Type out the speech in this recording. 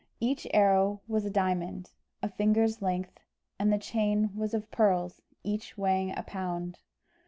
Each arrow was a diamond, a finger's length, and the chain was of pearls, each weighing a pound.